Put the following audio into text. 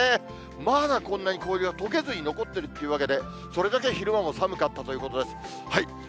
まだこんなに氷がとけずに残ってるっていうわけで、それだけ昼間も寒かったということです。